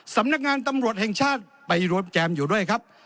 สำนักงานตำรวจแห่งชาติไปรวมแจมอยู่ด้วยครับ